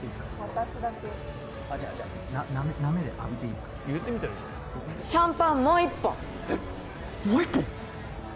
・私だけ・あっじゃあじゃあナメで浴びていいすか・言ってみたらいいじゃんシャンパンもう一本えっもう一本？